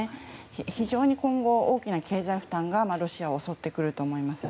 非常に今後大きな経済負担がロシアを襲ってくると思います。